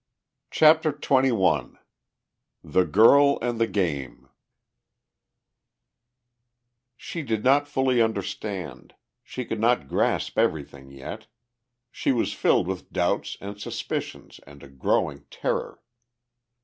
CHAPTER XXI THE GIRL AND THE GAME She did not fully understand, she could not grasp everything yet, she was filled with doubts and suspicions and a growing terror.